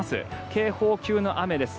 警報級の雨です。